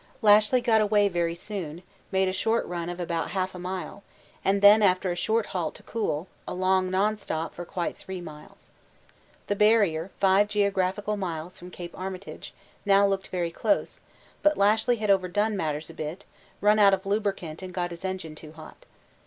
Lashly got away very soon, made a short run of about 1/2 mile, and then after a short halt to cool, a long non stop for quite 3 miles. The Barrier, five geographical miles from Cape Armitage, now looked very close, but Lashly had overdone matters a bit, run out of lubricant and got his engine too hot.